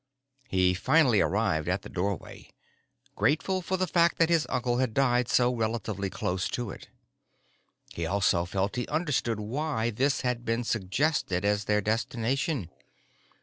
He finally arrived at the doorway, grateful for the fact that his uncle had died so relatively close to it. He also felt he understood why this had been suggested as their destination.